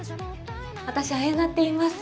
私あやなっていいます。